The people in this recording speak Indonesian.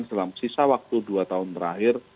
dalam sisa waktu dua tahun terakhir